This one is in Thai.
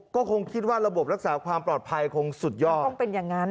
ก็คงคิดว่าระบบรักษาความปลอดภัยคงสุดยอดต้องเป็นอย่างนั้น